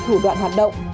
thủ đoạn hoạt động